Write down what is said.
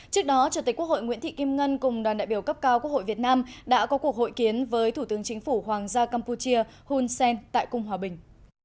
trước đó chủ tịch quốc hội nguyễn thị kim ngân cùng đoàn đại biểu cấp cao quốc hội việt nam đã có cuộc hội kiến với thủ tướng chính phủ hoàng gia campuchia hun sen tại cung hòa bình